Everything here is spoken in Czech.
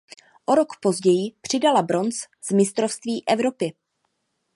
O rok později přidala bronz z Mistrovství Evropy.